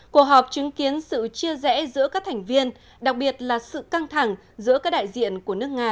cuộc họp chứng kiến sự chia rẽ giữa các thành viên đặc biệt là sự căng thẳng giữa các đại diện của nước nga